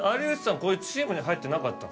こういうチームに入ってなかったんですか？